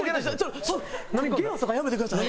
そんなゲロとかやめてください。